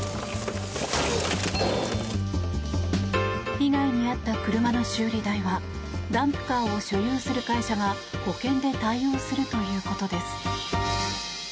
被害に遭った車の修理代はダンプカーを所有する会社が保険で対応するということです。